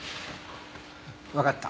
わかった。